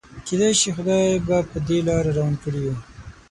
کيدای شي خدای به په دې لاره روان کړي يو.